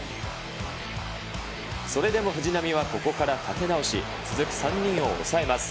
それでも藤浪はここから立て直し、続く３人を抑えます。